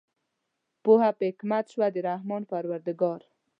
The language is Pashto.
پوهه په حکمت شوه د رحمان پروردګار